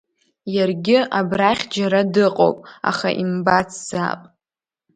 Иаргьы абрахь џьара дыҟоуп, аха имбацзаап.